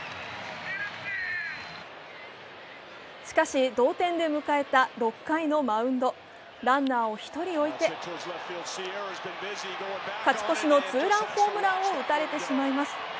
しかし、同点で迎えた６回のマウンド、ランナーを１人置いて勝ち越しのツーランホームランを打たれてしまいます。